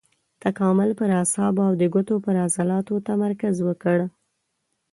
تکامل پر اعصابو او د ګوتو پر عضلاتو تمرکز وکړ.